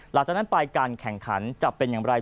หลังจากนั้นไปการแข่งขันจะเป็นอย่างไร